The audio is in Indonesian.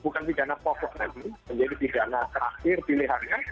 bukan tiga anak pokok lagi menjadi tiga anak terakhir pilihannya